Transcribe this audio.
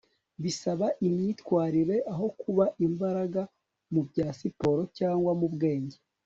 bisaba imyitwarire aho kuba imbaraga mu bya siporo cyangwa mu bwenge